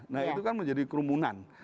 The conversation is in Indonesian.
nah itu kan menjadi kerumunan